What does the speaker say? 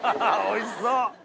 おいしそう！